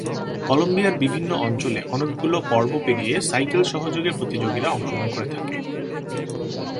কলম্বিয়ার বিভিন্ন অঞ্চলে অনেকগুলো পর্ব পেরিয়ে সাইকেল সহযোগে প্রতিযোগীরা অংশগ্রহণ করে থাকে।